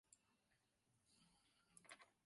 吴王夫差立邾桓公革继位。